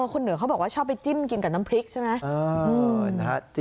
คุณเหนือเขาบอกว่าชอบไปจิ้มกินกับน้ำพริกใช่ไหม